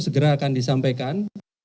segera akan disampaikan